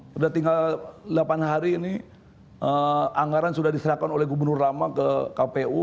sudah tinggal delapan hari ini anggaran sudah diserahkan oleh gubernur lama ke kpu